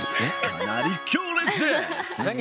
かなり強烈です！